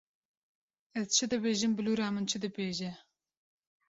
Ez çi dibêjim bilûra min çi dibêje.